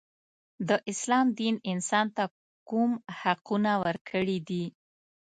د اسلام دین انسان ته کوم حقونه ورکړي دي.